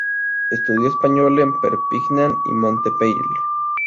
Estudió español en Perpignan y Montpellier.